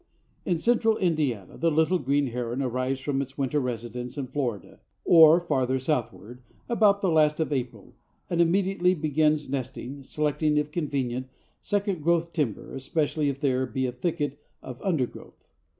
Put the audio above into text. In central Indiana the Little Green Heron arrives from its winter residence in Florida, or farther southward, about the last of April, and immediately begins nesting, selecting, if convenient, second growth timber, especially if there be a thicket of undergrowth.